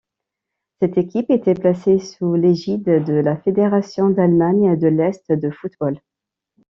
Cette équipe était placée sous l'égide de la Fédération d'Allemagne de l'Est de football.